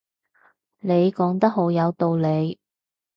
你講得好有道理